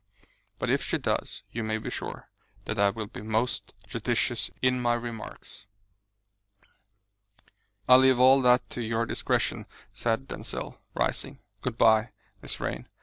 But if she does, you may be sure that I will be most judicious in my remarks." "I leave all that to your discretion," said Denzil, rising. "Good bye, Miss Vrain.